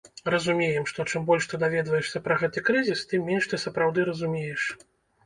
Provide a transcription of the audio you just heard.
Разумееш, што чым больш ты даведваешся пра гэты крызіс, тым менш ты сапраўды разумееш.